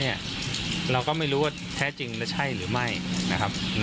เราก็ไม่รู้ว่าแท้จริงและใช่หรือไม่นะครับ